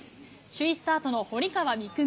首位スタートの堀川未来